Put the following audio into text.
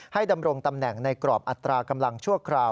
ดำรงตำแหน่งในกรอบอัตรากำลังชั่วคราว